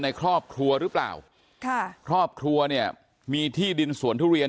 ในครอบครัวหรือเปล่าค่ะครอบครัวเนี่ยมีที่ดินสวนทุเรียน